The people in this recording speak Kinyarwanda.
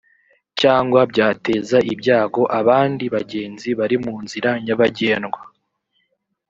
cyangwa byateza ibyago abandi bagenzi bari mu nzira nyabagendwa